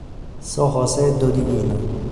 São José do Divino